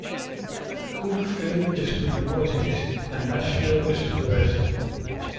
Cookeville is to the northeast, and Nashville is to the west.